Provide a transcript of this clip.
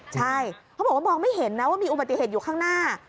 ใช่เขาบอกว่ามองไม่เห็นนะว่ามีอุบัติเหตุอยู่ข้างหน้า